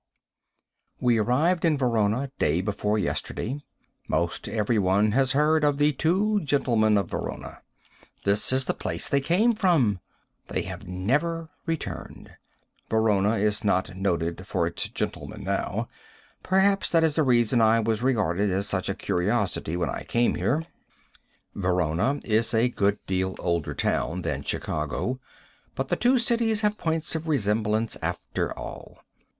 We arrived in Verona day before yesterday. Most every one has heard of the Two Gentlemen of Verona. This is the place they came from. They have never returned. Verona is not noted for its gentlemen now. Perhaps that is the reason I was regarded as such a curiosity when I came here. [Illustration: THE ODORS OF VERONA.] Verona is a good deal older town than Chicago, but the two cities have points of resemblance after all.